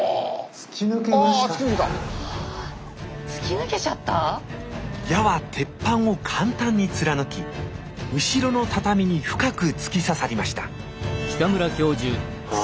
突き抜けちゃった⁉矢は鉄板を簡単に貫き後ろの畳に深く突き刺さりましたああ